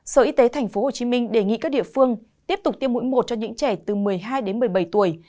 sở y tế tp hcm đề nghị các địa phương tiếp tục tiêm mũi một cho những trẻ từ một mươi hai đến một mươi bảy tuổi